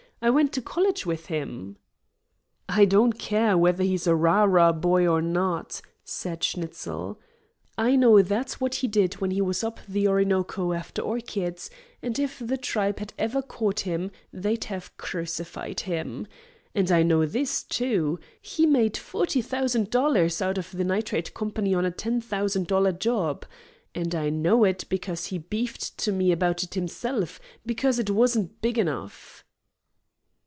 I went to college with him." "I don't care whether he's a rah rah boy or not," said Schnitzel, "I know that's what he did when he was up the Orinoco after orchids, and if the tribe had ever caught him they'd have crucified him. And I know this, too: he made forty thousand dollars out of the Nitrate Company on a ten thousand dollar job. And I know it, because he beefed to me about it himself, because it wasn't big enough."